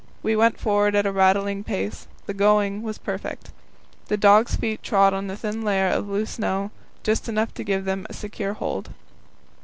We went forward at a rattling pace; the going was perfect. The dogs' feet trod on a thin layer of loose snow, just enough to give them a secure hold.